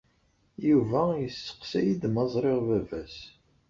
Yuba yesseqsa-iyi-d ma ẓriɣ baba-s.